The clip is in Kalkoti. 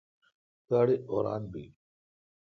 گاڑی اوران بیل۔